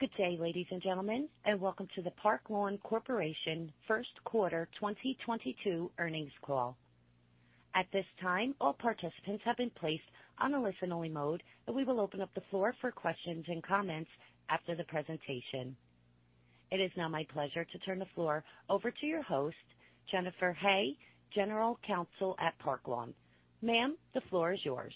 Good day, ladies and gentlemen, and welcome to the Park Lawn Corporation First Quarter 2022 Earnings Call. At this time, all participants have been placed on a listen-only mode, and we will open up the floor for questions and comments after the presentation. It is now my pleasure to turn the floor over to your host, Jennifer Hay, General Counsel at Park Lawn. Ma'am, the floor is yours.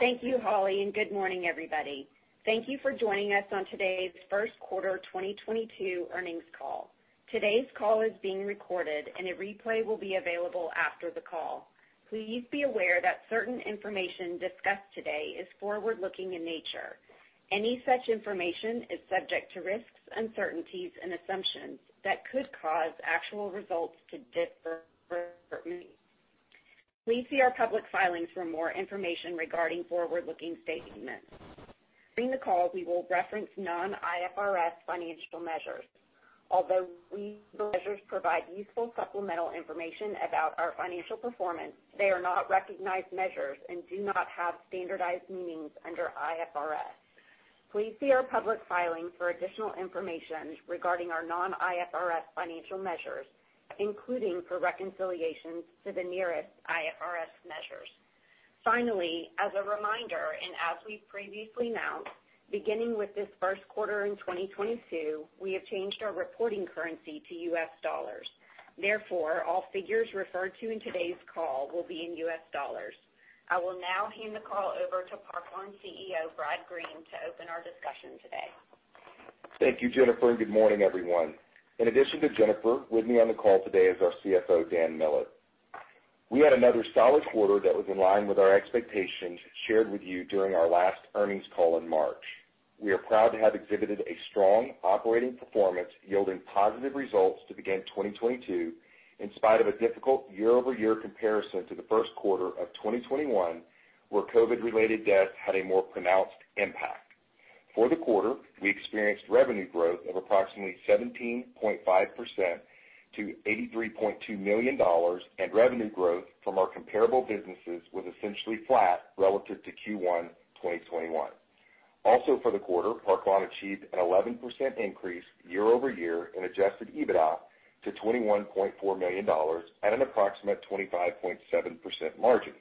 Thank you, Holly, and good morning, everybody. Thank you for joining us on today's first quarter 2022 earnings call. Today's call is being recorded and a replay will be available after the call. Please be aware that certain information discussed today is forward-looking in nature. Any such information is subject to risks, uncertainties and assumptions that could cause actual results to differ. Please see our public filings for more information regarding forward-looking statements. During the call, we will reference non-IFRS financial measures. Although the measures provide useful supplemental information about our financial performance, they are not recognized measures and do not have standardized meanings under IFRS. Please see our public filings for additional information regarding our non-IFRS financial measures, including for reconciliations to the nearest IFRS measures. Finally, as a reminder, and as we've previously announced, beginning with this first quarter in 2022, we have changed our reporting currency to US dollars. Therefore, all figures referred to in today's call will be in US dollars. I will now hand the call over to Park Lawn CEO, Brad Green, to open our discussion today. Thank you, Jennifer, and good morning, everyone. In addition to Jennifer, with me on the call today is our CFO, Dan Millett. We had another solid quarter that was in line with our expectations shared with you during our last earnings call in March. We are proud to have exhibited a strong operating performance yielding positive results to begin 2022, in spite of a difficult year-over-year comparison to the first quarter of 2021, where COVID-related deaths had a more pronounced impact. For the quarter, we experienced revenue growth of approximately $17.5%-$83.2 million, and revenue growth from our comparable businesses was essentially flat relative to Q1 2021. Also for the quarter, Park Lawn achieved an 11% increase year-over-year in adjusted EBITDA to $21.4 million at an approximate 25.7% margin.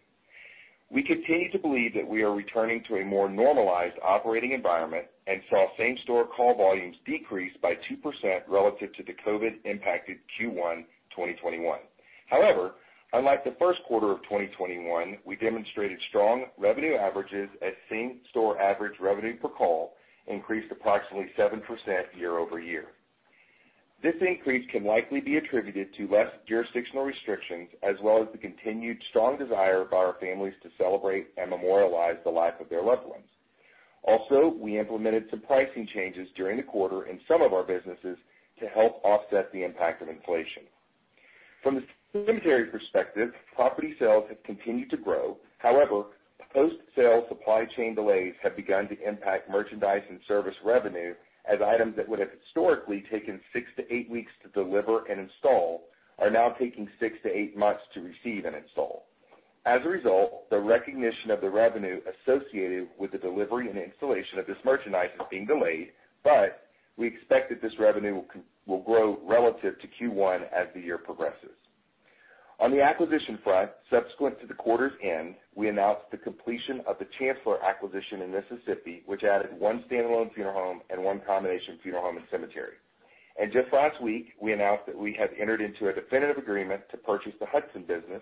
We continue to believe that we are returning to a more normalized operating environment and saw same-store call volumes decrease by 2% relative to the COVID-impacted Q1 2021. However, unlike the first quarter of 2021, we demonstrated strong revenue averages as same-store average revenue per call increased approximately 7% year-over-year. This increase can likely be attributed to less jurisdictional restrictions as well as the continued strong desire by our families to celebrate and memorialize the life of their loved ones. Also, we implemented some pricing changes during the quarter in some of our businesses to help offset the impact of inflation. From the cemetery perspective, property sales have continued to grow. However, post-sale supply chain delays have begun to impact merchandise and service revenue as items that would have historically taken 6-8 weeks to deliver and install are now taking 6-8 months to receive and install. As a result, the recognition of the revenue associated with the delivery and installation of this merchandise is being delayed, but we expect that this revenue will grow relative to Q1 as the year progresses. On the acquisition front, subsequent to the quarter's end, we announced the completion of the Chancellor acquisition in Mississippi, which added one standalone funeral home and one combination funeral home and cemetery. Just last week, we announced that we have entered into a definitive agreement to purchase the Hudson business,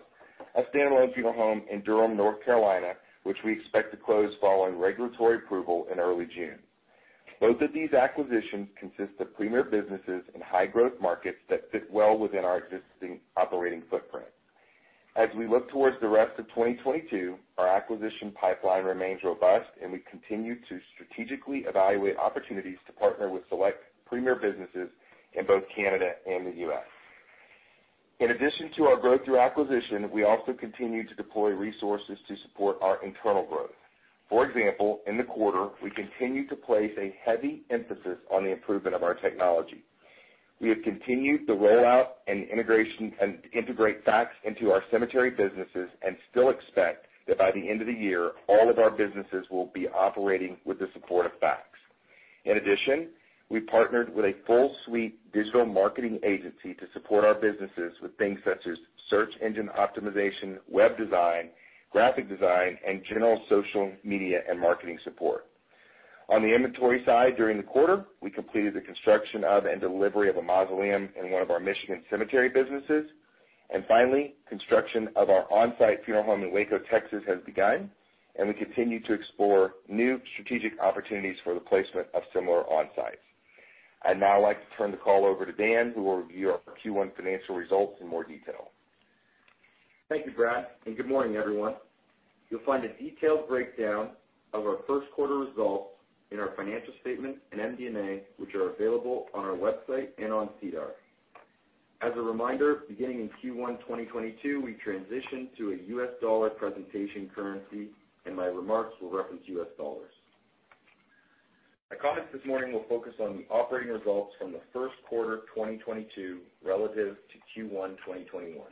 a standalone funeral home in Durham, North Carolina, which we expect to close following regulatory approval in early June. Both of these acquisitions consist of premier businesses in high-growth markets that fit well within our existing operating footprint. As we look towards the rest of 2022, our acquisition pipeline remains robust and we continue to strategically evaluate opportunities to partner with select premier businesses in both Canada and the U.S. In addition to our growth through acquisition, we also continue to deploy resources to support our internal growth. For example, in the quarter, we continued to place a heavy emphasis on the improvement of our technology. We have continued the rollout and integration of FaCTS into our cemetery businesses and still expect that by the end of the year, all of our businesses will be operating with the support of FaCTS. In addition, we partnered with a full suite digital marketing agency to support our businesses with things such as search engine optimization, web design, graphic design, and general social media and marketing support. On the inventory side during the quarter, we completed the construction of and delivery of a mausoleum in one of our Michigan cemetery businesses. Finally, construction of our on-site funeral home in Waco, Texas has begun, and we continue to explore new strategic opportunities for the placement of similar on-sites. I'd now like to turn the call over to Dan, who will review our Q1 financial results in more detail. Thank you, Brad, and good morning, everyone. You'll find a detailed breakdown of our first quarter results in our financial statement in MD&A, which are available on our website and on SEDAR. As a reminder, beginning in Q1 2022, we transitioned to a US dollar presentation currency and my remarks will reference US dollars. My comments this morning will focus on the operating results from the first quarter of 2022 relative to Q1 2021.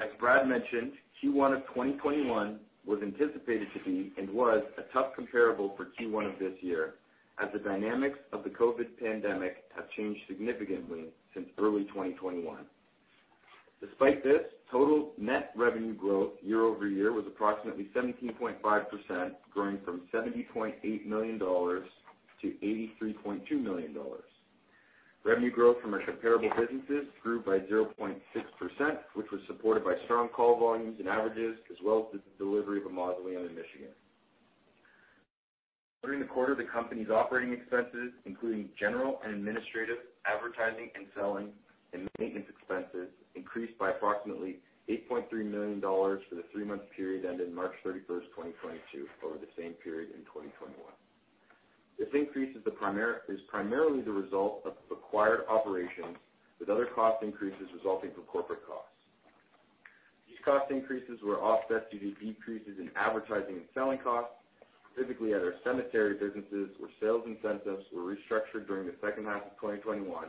As Brad mentioned, Q1 of 2021 was anticipated to be and was a tough comparable for Q1 of this year, as the dynamics of the COVID pandemic have changed significantly since early 2021. Despite this, total net revenue growth year-over-year was approximately 17.5%, growing from $70.8 million-$83.2 million. Revenue growth from our comparable businesses grew by 0.6%, which was supported by strong call volumes and averages as well as the delivery of a mausoleum in Michigan. During the quarter, the company's operating expenses, including general and administrative, advertising and selling, and maintenance expenses, increased by approximately $8.3 million for the three-month period ended March 31, 2022 over the same period in 2021. This increase is primarily the result of acquired operations, with other cost increases resulting from corporate costs. These cost increases were offset due to decreases in advertising and selling costs, specifically at our cemetery businesses, where sales incentives were restructured during the second half of 2021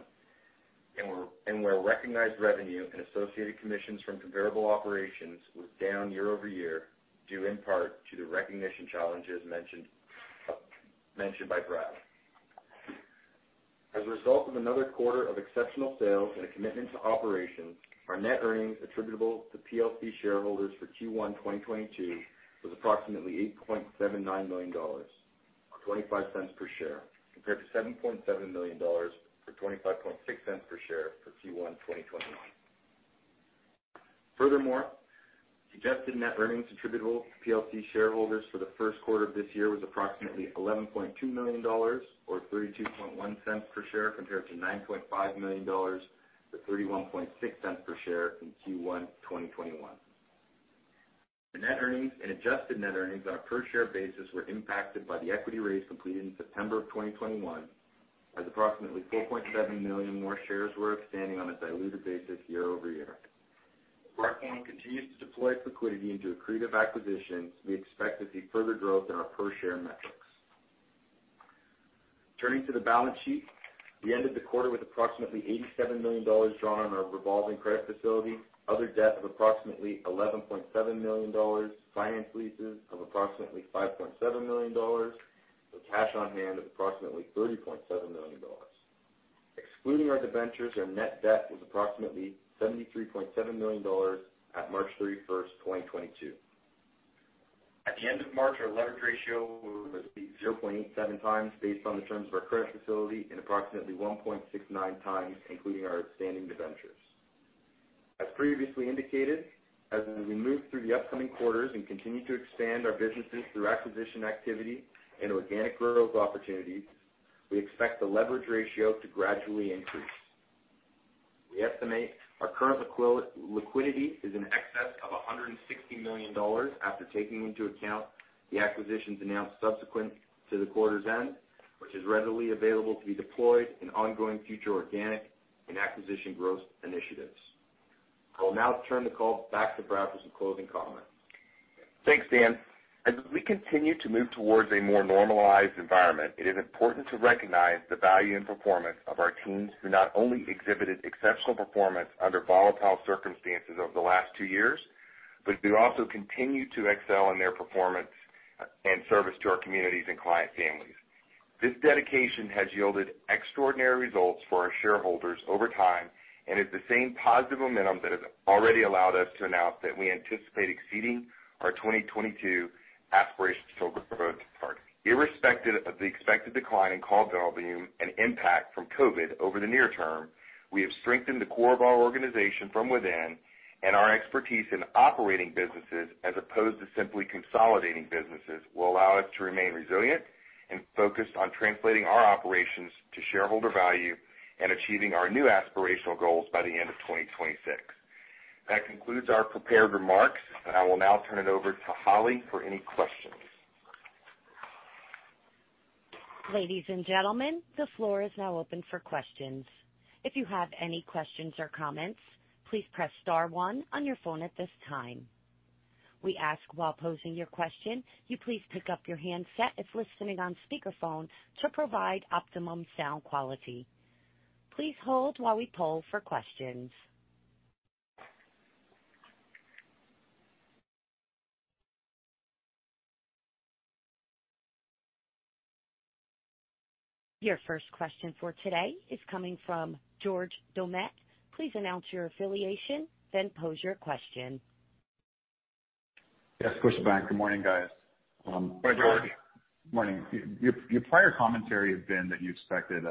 and where recognized revenue and associated commissions from comparable operations was down year over year, due in part to the recognition challenges mentioned by Brad. As a result of another quarter of exceptional sales and a commitment to operations, our net earnings attributable to PLC shareholders for Q1 2022 were approximately $8.79 million, or $0.25 per share, compared to $7.7 million or $0.256 per share for Q1 2021. Furthermore, adjusted net earnings attributable to PLC shareholders for the first quarter of this year were approximately $11.2 million or $0.321 per share, compared to $9.5 million or $0.316 per share in Q1 2021. The net earnings and adjusted net earnings on a per share basis were impacted by the equity raise completed in September 2021, as approximately 4.7 million more shares were outstanding on a diluted basis year over year. As our company continues to deploy its liquidity into accretive acquisitions, we expect to see further growth in our per share metrics. Turning to the balance sheet, we ended the quarter with approximately $87 million drawn on our revolving credit facility, other debt of approximately $11.7 million, finance leases of approximately $5.7 million, with cash on hand of approximately $30.7 million. Excluding our debentures, our net debt was approximately $73.7 million at March 31st, 2022. At the end of March, our leverage ratio was 0.87x based on the terms of our credit facility and approximately 1.69x including our outstanding debentures. As previously indicated, as we move through the upcoming quarters and continue to expand our businesses through acquisition activity and organic growth opportunities, we expect the leverage ratio to gradually increase. We estimate our current liquidity is in excess of $160 million after taking into account the acquisitions announced subsequent to the quarter's end, which is readily available to be deployed in ongoing future organic and acquisition growth initiatives. I will now turn the call back to Brad for some closing comments. Thanks, Dan. As we continue to move towards a more normalized environment, it is important to recognize the value and performance of our teams, who not only exhibited exceptional performance under volatile circumstances over the last two years, but who also continue to excel in their performance and service to our communities and client families. This dedication has yielded extraordinary results for our shareholders over time and is the same positive momentum that has already allowed us to announce that we anticipate exceeding our 2022 aspirational growth targets. Irrespective of the expected decline in call volume and impact from COVID over the near term, we have strengthened the core of our organization from within, and our expertise in operating businesses, as opposed to simply consolidating businesses, will allow us to remain resilient and focused on translating our operations to shareholder value and achieving our new aspirational goals by the end of 2026. That concludes our prepared remarks. I will now turn it over to Holly for any questions. Ladies and gentlemen, the floor is now open for questions. If you have any questions or comments, please press star one on your phone at this time. We ask, while posing your question, you please pick up your handset if listening on speakerphone to provide optimum sound quality. Please hold while we poll for questions. Your first question for today is coming from George Doumet. Please announce your affiliation, then pose your question. Yes, Scotiabank. Good morning, guys. Good morning, George. Morning. Your prior commentary had been that you expected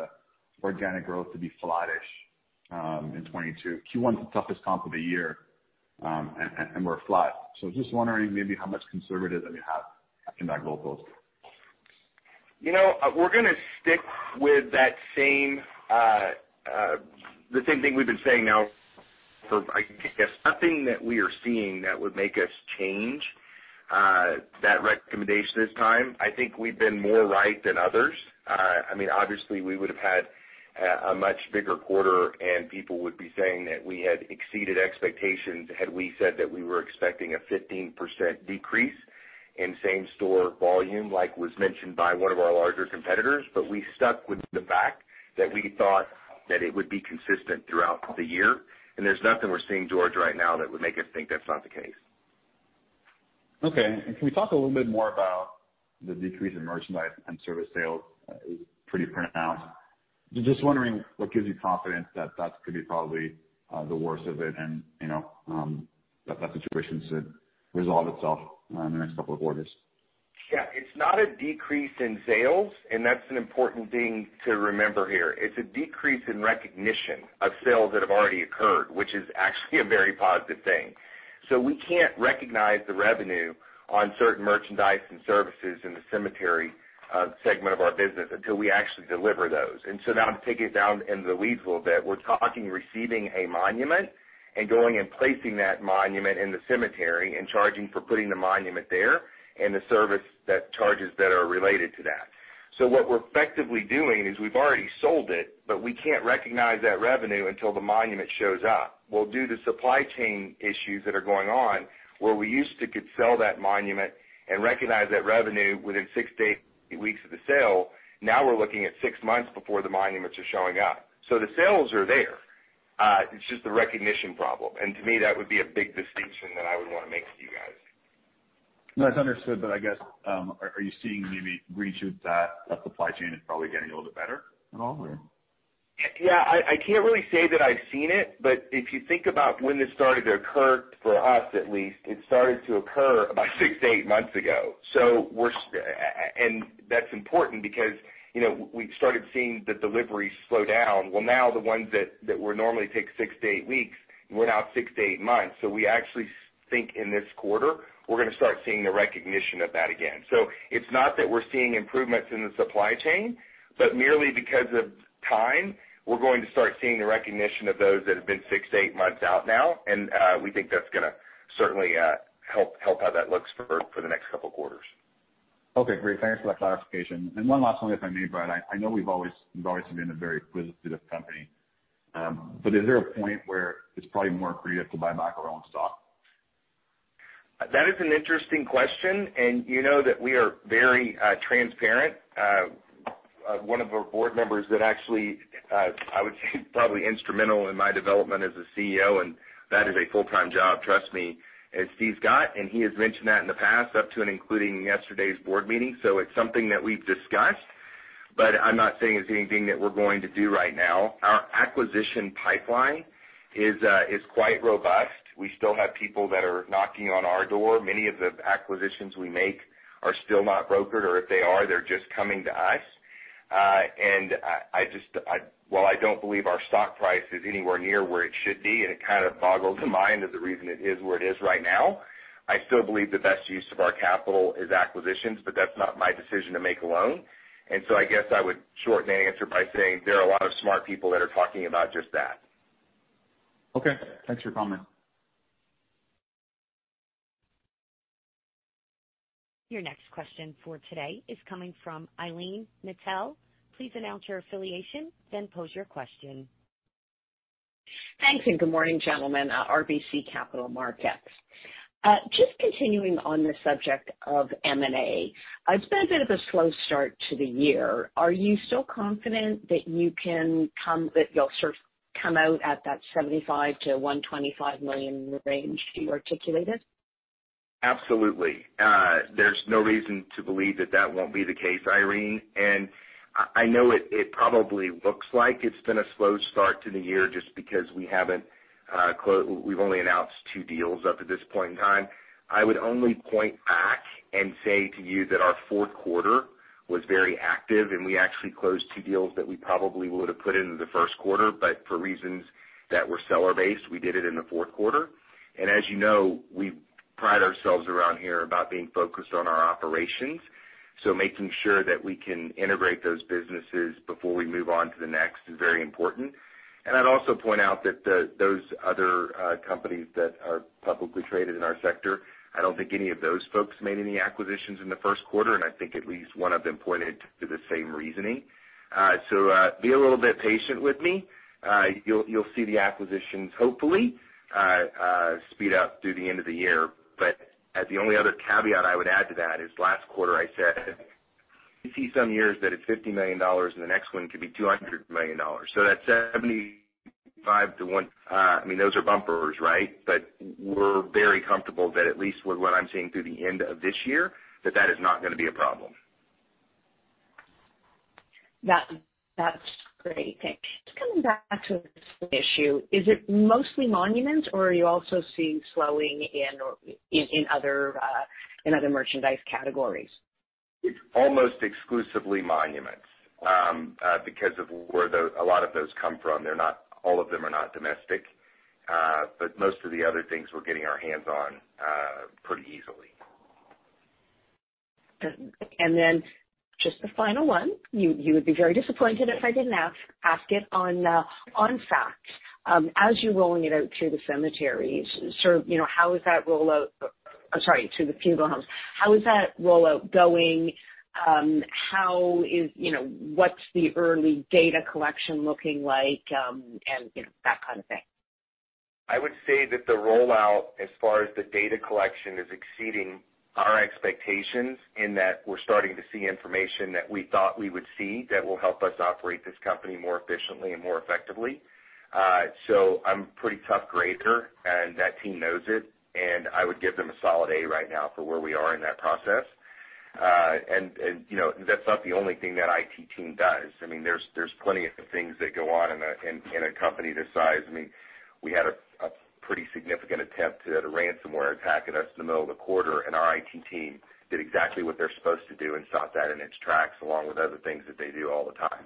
organic growth to be flattish in 2022. Q1's the toughest comp of the year, and we're flat. Just wondering maybe how much conservatism you have in that goal post. You know, we're gonna stick with the same thing we've been saying now for, I guess, nothing that we are seeing that would make us change that recommendation this time. I think we've been more right than others. I mean, obviously we would have had a much bigger quarter, and people would be saying that we had exceeded expectations had we said that we were expecting a 15% decrease in same-store volume, like was mentioned by one of our larger competitors. We stuck with the fact that we thought that it would be consistent throughout the year, and there's nothing we're seeing, George, right now that would make us think that's not the case. Okay. Can we talk a little bit more about the decrease in merchandise and service sales? It's pretty pronounced. Just wondering what gives you confidence that that could be probably the worst of it and, you know, that situation should resolve itself in the next couple of quarters. Yeah, it's not a decrease in sales, and that's an important thing to remember here. It's a decrease in recognition of sales that have already occurred, which is actually a very positive thing. We can't recognize the revenue on certain merchandise and services in the cemetery segment of our business until we actually deliver those. Now to take it down into the weeds a little bit, we're talking receiving a monument and going and placing that monument in the cemetery and charging for putting the monument there and the service that charges that are related to that. What we're effectively doing is we've already sold it, but we can't recognize that revenue until the monument shows up. Well, due to supply chain issues that are going on, where we used to could sell that monument and recognize that revenue within 6-8 weeks of the sale, now we're looking at 6 months before the monuments are showing up. So the sales are there, it's just a recognition problem. To me, that would be a big distinction that I would wanna make to you guys. No, it's understood. I guess, are you seeing maybe relief that the supply chain is probably getting a little bit better at all? Yeah, I can't really say that I've seen it. If you think about when this started to occur, for us at least, it started to occur about 6-8 months ago. That's important because, you know, we started seeing the deliveries slow down. Well, now the ones that would normally take 6-8 weeks went out 6-8 months. We actually think in this quarter, we're gonna start seeing the recognition of that again. It's not that we're seeing improvements in the supply chain, but merely because of time, we're going to start seeing the recognition of those that have been 6-8 months out now. We think that's gonna certainly help how that looks for the next couple quarters. Okay, great. Thanks for that clarification. One last one, if I may, Brad. I know we've always been a very acquisitive company. But is there a point where it's probably more creative to buy back our own stock? That is an interesting question, and you know that we are very transparent. One of our board members that actually I would say probably instrumental in my development as a CEO, and that is a full-time job, trust me, is Steve Scott, and he has mentioned that in the past, up to and including yesterday's board meeting. It's something that we've discussed, but I'm not saying it's anything that we're going to do right now. Our acquisition pipeline is quite robust. We still have people that are knocking on our door. Many of the acquisitions we make are still not brokered, or if they are, they're just coming to us. While I don't believe our stock price is anywhere near where it should be, and it kind of boggles the mind of the reason it is where it is right now, I still believe the best use of our capital is acquisitions, but that's not my decision to make alone. I guess I would shorten the answer by saying there are a lot of smart people that are talking about just that. Okay. Thanks for your comment. Your next question for today is coming from Irene Nattel. Please announce your affiliation, then pose your question. Thanks, and good morning, gentlemen. RBC Capital Markets. Just continuing on the subject of M&A, it's been a bit of a slow start to the year. Are you still confident that you'll sort of come out at that $75 million-$125 million range you articulated? Absolutely. There's no reason to believe that that won't be the case, Irene. I know it probably looks like it's been a slow start to the year just because we haven't. We've only announced two deals up to this point in time. I would only point back and say to you that our fourth quarter was very active, and we actually closed two deals that we probably would have put into the first quarter, but for reasons that were seller-based, we did it in the fourth quarter. As you know, we pride ourselves around here about being focused on our operations, so making sure that we can integrate those businesses before we move on to the next is very important. I'd also point out that those other companies that are publicly traded in our sector, I don't think any of those folks made any acquisitions in the first quarter, and I think at least one of them pointed to the same reasoning. Be a little bit patient with me. You'll see the acquisitions hopefully speed up through the end of the year. As the only other caveat I would add to that is last quarter, I said, you see some years that it's $50 million and the next one could be $200 million. That's 75 to 1, I mean, those are bumpers, right? We're very comfortable that at least with what I'm seeing through the end of this year, that is not gonna be a problem. That, that's great. Thanks. Just coming back to this issue, is it mostly monuments or are you also seeing slowing in other merchandise categories? It's almost exclusively monuments because of where a lot of those come from. They're not all domestic. But most of the other things we're getting our hands on pretty easily. Just the final one, you would be very disappointed if I didn't ask it on FaCTS. As you're rolling it out to the cemeteries, sort of, you know, how is that rollout. I'm sorry, to the funeral homes. How is that rollout going? How is, you know, what's the early data collection looking like? You know, that kind of thing. I would say that the rollout as far as the data collection is exceeding our expectations in that we're starting to see information that we thought we would see that will help us operate this company more efficiently and more effectively. I'm a pretty tough grader, and that team knows it, and I would give them a solid A right now for where we are in that process. You know, that's not the only thing that IT team does. I mean, there's plenty of things that go on in a company this size. I mean, we had a pretty significant attempt at a ransomware attack at us in the middle of the quarter, and our IT team did exactly what they're supposed to do and stopped that in its tracks, along with other things that they do all the time.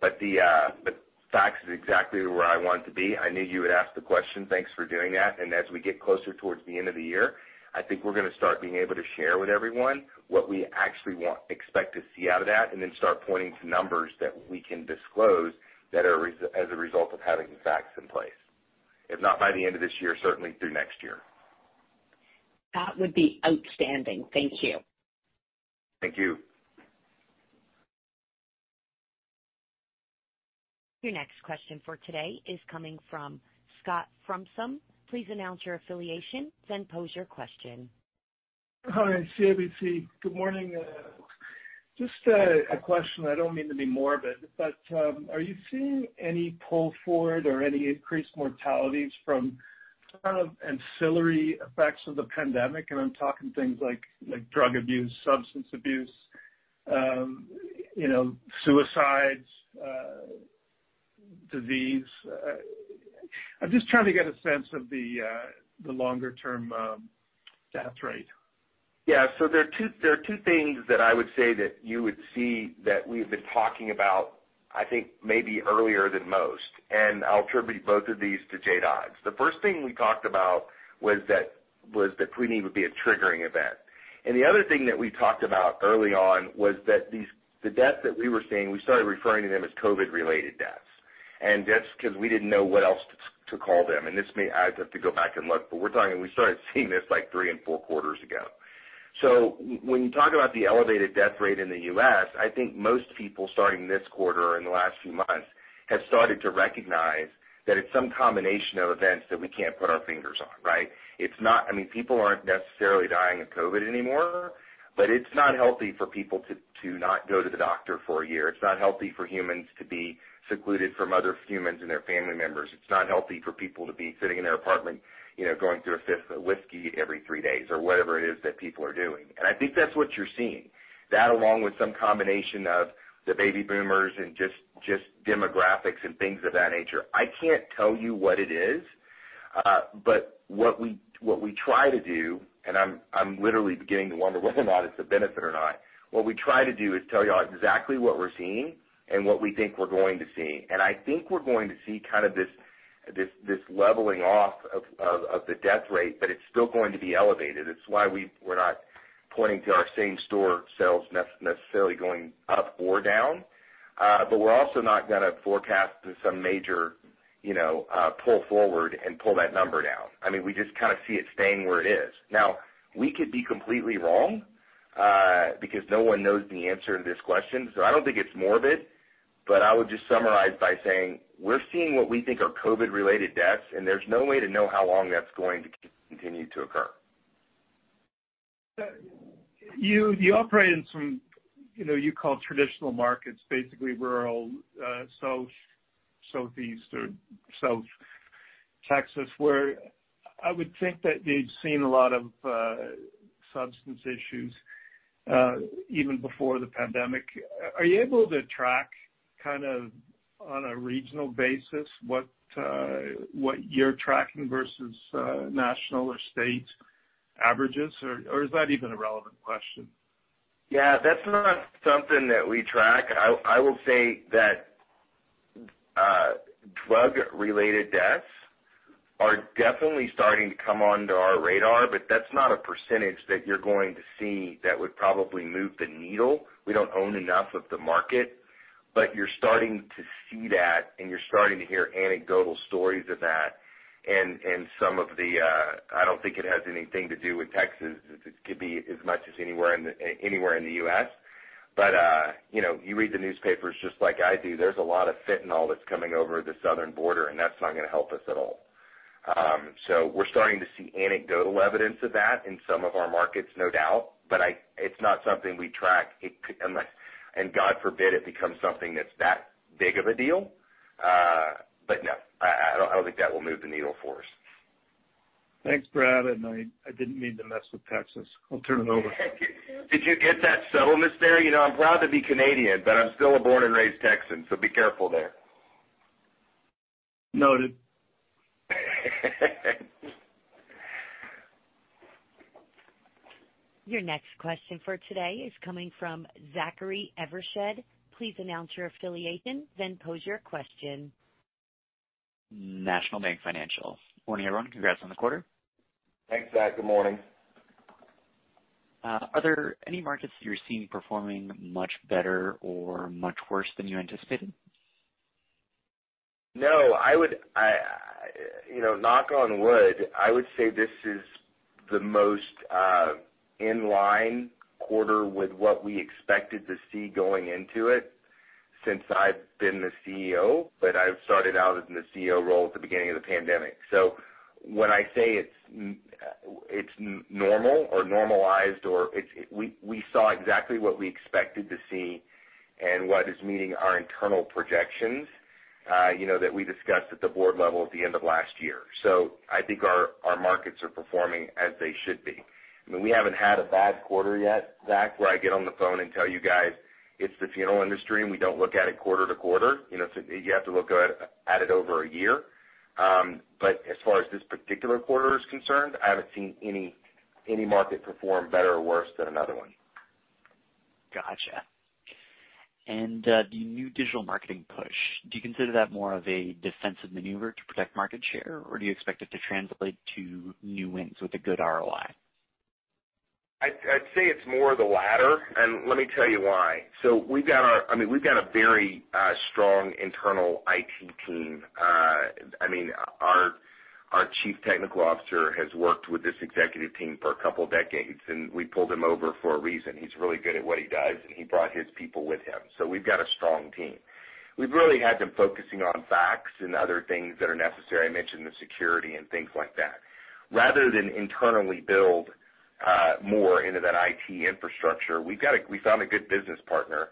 The FaCTS is exactly where I want it to be. I knew you would ask the question. Thanks for doing that. As we get closer towards the end of the year, I think we're gonna start being able to share with everyone what we actually expect to see out of that and then start pointing to numbers that we can disclose that are as a result of having FaCTS in place. If not by the end of this year, certainly through next year. That would be outstanding. Thank you. Thank you. Your next question for today is coming from Scott Fromson. Please announce your affiliation, then pose your question. Hi, CIBC. Good morning. Just a question. I don't mean to be morbid, but are you seeing any pull forward or any increased mortalities from kind of ancillary effects of the pandemic? I'm talking things like drug abuse, substance abuse, you know, suicides, disease. I'm just trying to get a sense of the longer term death rate. Yeah. There are two things that I would say that you would see that we've been talking about, I think, maybe earlier than most, and I'll attribute both of these to Jay Dodds. The first thing we talked about was that preneed would be a triggering event. The other thing that we talked about early on was that the deaths that we were seeing, we started referring to them as COVID-related deaths, and that's 'cause we didn't know what else to call them. I'd have to go back and look, but we're talking, we started seeing this like 3 and 4 quarters ago. When you talk about the elevated death rate in the U.S., I think most people starting this quarter or in the last few months have started to recognize that it's some combination of events that we can't put our fingers on, right? It's not. I mean, people aren't necessarily dying of COVID anymore, but it's not healthy for people to not go to the doctor for a year. It's not healthy for humans to be secluded from other humans and their family members. It's not healthy for people to be sitting in their apartment, you know, going through a fifth of whiskey every three days or whatever it is that people are doing. I think that's what you're seeing. That, along with some combination of the baby boomers and just demographics and things of that nature. I can't tell you what it is, but what we try to do, and I'm literally beginning to wonder whether or not it's a benefit or not, what we try to do is tell y'all exactly what we're seeing and what we think we're going to see. I think we're going to see kind of this leveling off of the death rate, but it's still going to be elevated. It's why we're not pointing to our same-store sales necessarily going up or down. But we're also not gonna forecast some major, you know, pull forward and pull that number down. I mean, we just kinda see it staying where it is. Now, we could be completely wrong, because no one knows the answer to this question. I don't think it's morbid, but I would just summarize by saying we're seeing what we think are COVID-related deaths, and there's no way to know how long that's going to continue to occur. You operate in some, you know, you call traditional markets, basically rural, south, southeast or south Texas, where I would think that they've seen a lot of substance issues, even before the pandemic. Are you able to track kind of on a regional basis what you're tracking versus national or state averages? Or is that even a relevant question? Yeah, that's not something that we track. I will say that drug-related deaths are definitely starting to come onto our radar, but that's not a percentage that you're going to see that would probably move the needle. We don't own enough of the market. You're starting to see that, and you're starting to hear anecdotal stories of that. I don't think it has anything to do with Texas. It could be as much as anywhere in the U.S. You know, you read the newspapers just like I do. There's a lot of fentanyl that's coming over the southern border, and that's not gonna help us at all. We're starting to see anecdotal evidence of that in some of our markets, no doubt. It's not something we track. Unless, and God forbid, it becomes something that's that big of a deal. But no, I don't think that will move the needle for us. Thanks, Brad. I didn't mean to mess with Texas. I'll turn it over. Did you get that subtleness there? You know, I'm proud to be Canadian, but I'm still a born and raised Texan, so be careful there. Noted. Your next question for today is coming from Zachary Evershed. Please announce your affiliation, then pose your question. National Bank Financial. Morning, everyone. Congrats on the quarter. Thanks, Zach. Good morning. Are there any markets that you're seeing performing much better or much worse than you anticipated? No, you know, knock on wood, I would say this is the most in line quarter with what we expected to see going into it since I've been the CEO, but I've started out in the CEO role at the beginning of the pandemic. When I say it's normal or normalized, we saw exactly what we expected to see and what is meeting our internal projections, you know, that we discussed at the board level at the end of last year. I think our markets are performing as they should be. I mean, we haven't had a bad quarter yet, Zach, where I get on the phone and tell you guys it's the funeral industry, and we don't look at it quarter to quarter. You know, you have to look at it over a year. As far as this particular quarter is concerned, I haven't seen any market perform better or worse than another one. Gotcha. The new digital marketing push, do you consider that more of a defensive maneuver to protect market share, or do you expect it to translate to new wins with a good ROI? I'd say it's more of the latter, and let me tell you why. I mean, we've got a very strong internal IT team. I mean, our chief technical officer has worked with this executive team for a couple decades, and we pulled him over for a reason. He's really good at what he does, and he brought his people with him. We've got a strong team. We've really had them focusing on FaCTS and other things that are necessary. I mentioned the security and things like that. Rather than internally build more into that IT infrastructure, we've got we found a good business partner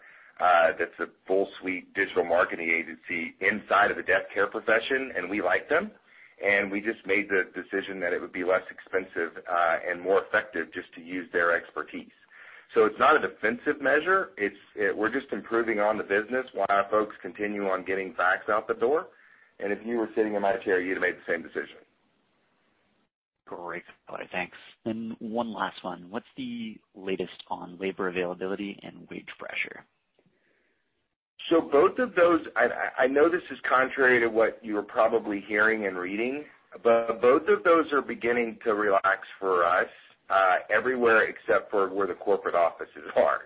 that's a full suite digital marketing agency inside of the death care profession, and we like them. We just made the decision that it would be less expensive and more effective just to use their expertise. It's not a defensive measure. We're just improving on the business while our folks continue on getting FaCTS out the door. If you were sitting in my chair, you'd have made the same decision. Great. Thanks. One last one. What's the latest on labor availability and wage pressure? Both of those. I know this is contrary to what you're probably hearing and reading, but both of those are beginning to relax for us everywhere except for where the corporate offices are.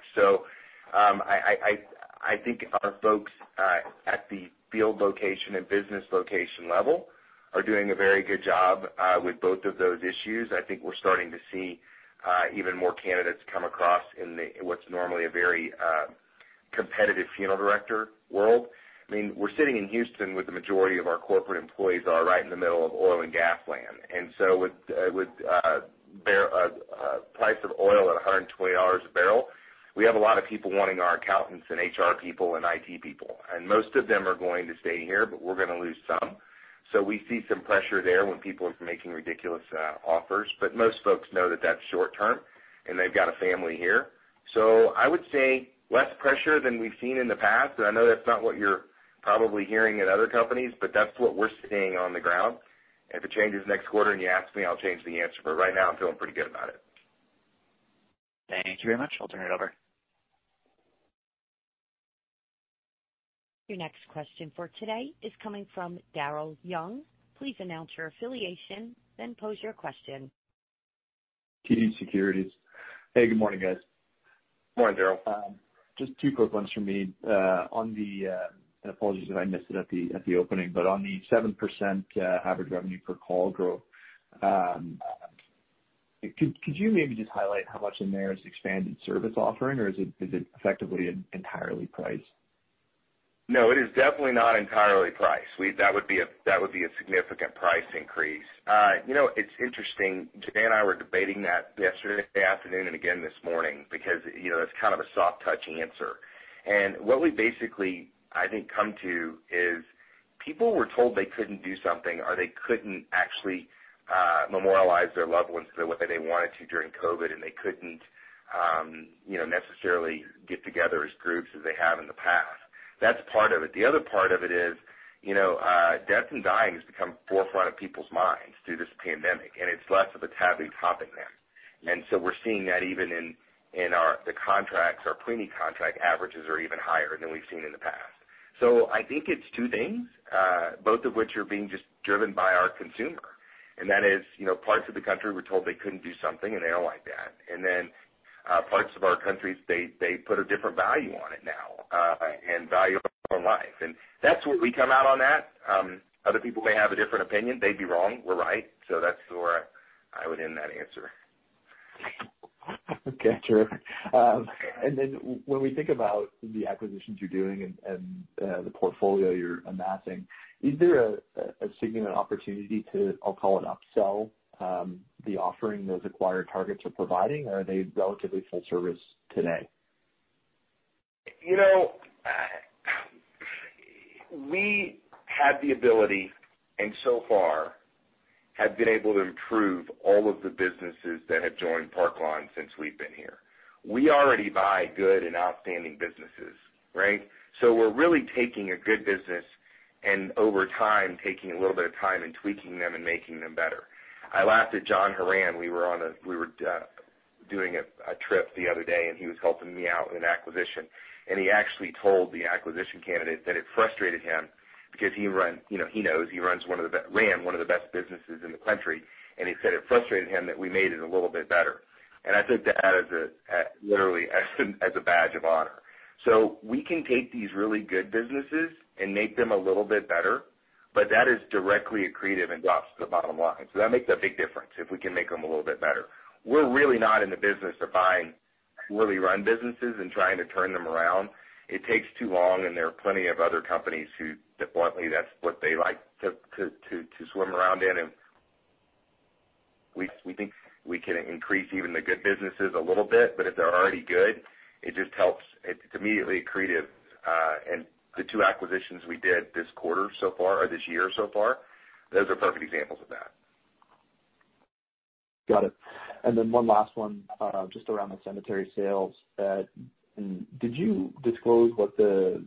I think our folks at the field location and business location level are doing a very good job with both of those issues. I think we're starting to see even more candidates come across in what's normally a very competitive funeral director world. I mean, we're sitting in Houston, where the majority of our corporate employees are right in the middle of oil and gas land. With the price of oil at $120 a barrel, we have a lot of people wanting our accountants and HR people and IT people, and most of them are going to stay here, but we're gonna lose some. We see some pressure there when people are making ridiculous offers, but most folks know that that's short term, and they've got a family here. I would say less pressure than we've seen in the past. I know that's not what you're probably hearing at other companies, but that's what we're seeing on the ground. If it changes next quarter and you ask me, I'll change the answer, but right now I'm feeling pretty good about it. Thank you very much. I'll turn it over. Your next question for today is coming from Daryl Young. Please announce your affiliation, then pose your question. TD Securities. Hey, good morning, guys. Morning, Daryl. Just two quick ones for me. Apologies if I missed it at the opening, but on the 7% average revenue per call growth, could you maybe just highlight how much in there is expanded service offering, or is it effectively entirely price? No, it is definitely not entirely price. That would be a significant price increase. You know, it's interesting, Dan and I were debating that yesterday afternoon and again this morning because, you know, it's kind of a soft touch answer. What we basically, I think, come to is people were told they couldn't do something or they couldn't actually memorialize their loved ones the way that they wanted to during COVID, and they couldn't, you know, necessarily get together as groups as they have in the past. That's part of it. The other part of it is, you know, death and dying has become forefront of people's minds through this pandemic, and it's less of a taboo topic now. We're seeing that even in the contracts. Our pre-need contract averages are even higher than we've seen in the past. I think it's two things, both of which are being just driven by our consumer. That is, you know, parts of the country were told they couldn't do something, and they don't like that. Then, parts of our countries, they put a different value on it now, and value on life. That's where we come out on that. Other people may have a different opinion. They'd be wrong, we're right. That's where I would end that answer. Okay. True. When we think about the acquisitions you're doing and the portfolio you're amassing, is there a significant opportunity to, I'll call it, upsell the offering those acquired targets are providing, or are they relatively full service today? You know, we had the ability and so far have been able to improve all of the businesses that have joined Park Lawn since we've been here. We already buy good and outstanding businesses, right? We're really taking a good business and over time, taking a little bit of time and tweaking them and making them better. I laughed at John Horan. We were doing a trip the other day, and he was helping me out in acquisition, and he actually told the acquisition candidate that it frustrated him because, you know, he knows he runs one of the best businesses in the country, and he said it frustrated him that we made it a little bit better. I took that literally as a badge of honor. We can take these really good businesses and make them a little bit better, but that is directly accretive and drops to the bottom line. That makes a big difference if we can make them a little bit better. We're really not in the business of buying poorly run businesses and trying to turn them around. It takes too long, and there are plenty of other companies who, bluntly, that's what they like to swim around in. We think we can increase even the good businesses a little bit, but if they're already good, it just helps. It's immediately accretive. The two acquisitions we did this quarter so far or this year so far, those are perfect examples of that. Got it. One last one, just around the cemetery sales. Did you disclose what the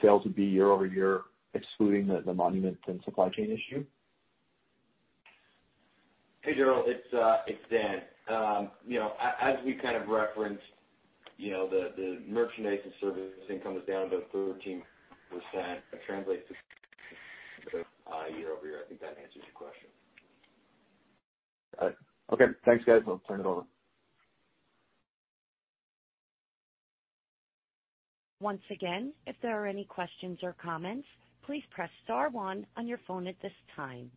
sales would be year-over-year, excluding the monument and supply chain issue? Hey, Daryl, it's Dan. You know, as we kind of referenced, you know, the merchandise and service income is down about 13% and translates to year-over-year. I think that answers your question. Got it. Okay. Thanks, guys. I'll turn it over. Once again, if there are any questions or comments, please press star one on your phone at this time.